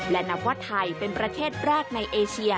และนับว่าไทยเป็นประเทศแรกในเอเชีย